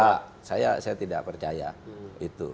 ya saya tidak percaya itu